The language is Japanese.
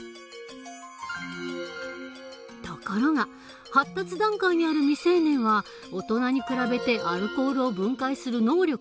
ところが発達段階にある未成年は大人に比べてアルコールを分解する能力が弱い。